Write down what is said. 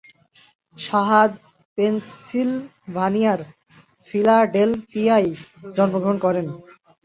শাহাদ পেনসিলভানিয়ার ফিলাডেলফিয়ায় জন্মগ্রহণ করেন।